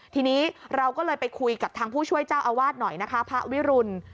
ทีนี้เราก็เลยไปคุยกับทางผู้ช่วยเจ้าอาวาสหน่อยนะคะพระวิรุณ